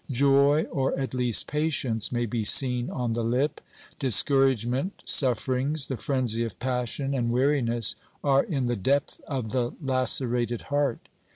Joy, or at least patience, may be seen on the lip ; discouragement, sufferings, the frenzy of passion and weariness are in the depth of the lacerated heart.